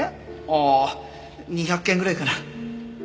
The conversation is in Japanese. ああ２００件ぐらいかな。